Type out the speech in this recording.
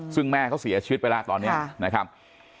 ซึ่งแม่เขาเสียชีวิตไปแล้วตอนนี้นะครับ